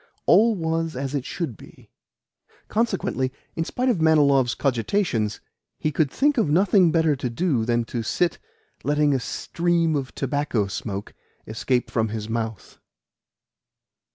All was as it should be. Consequently, in spite of Manilov's cogitations, he could think of nothing better to do than to sit letting a stream of tobacco smoke escape from his mouth.